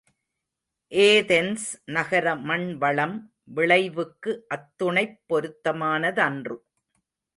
Athens நகர மண் வளம் விளைவுக்கு அத்துணைப் பொருத்தமான தன்று.